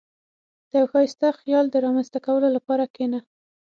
• د یو ښایسته خیال د رامنځته کولو لپاره کښېنه.